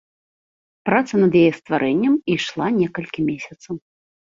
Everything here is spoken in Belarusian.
Праца над яе стварэннем ішла некалькі месяцаў.